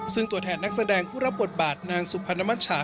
ซึ่งตัวแทนนักแสดงผู้รับบทบาทนางสุพรรณมัชชา